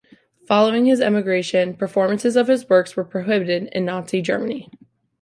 Following his emigration, performances of his works were prohibited in Nazi Germany.